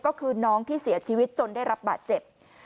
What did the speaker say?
ก็คือน้องที่เสียชีวิตจนได้รับบาดเจ็บ